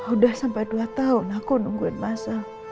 udah sampai dua tahun aku nungguin mas sal